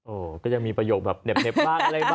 โอ๋ก็ยังมีประโยคแบบเหน็บมากอะไรมาก